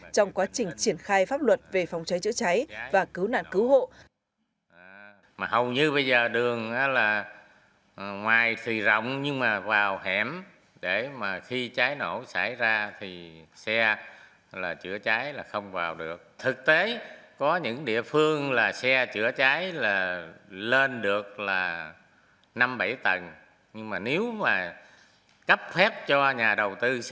trong quá trình triển khai pháp luật về phòng cháy chữa cháy và cứu nạn cứu hộ